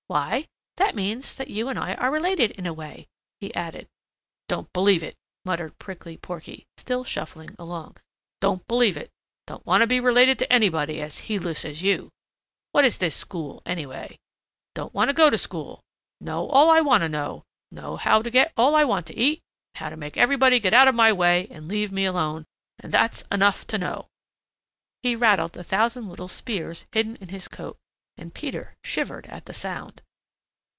"Why, that means that you and I are related in a way," he added. "Don't believe it," grunted Prickly Porky, still shuffling along. "Don't believe it. Don't want to be related to anybody as heedless as you. What is this school, anyway? Don't want to go to school. Know all I want to know. Know how to get all I want to eat and how to make everybody get out of my way and leave me alone, and that's enough to know." He rattled the thousand little spears hidden in his coat, and Peter shivered at the sound.